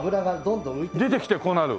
出てきてこうなる！？